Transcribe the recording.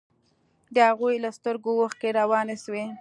د هغوى له سترگو اوښکې روانې سوې.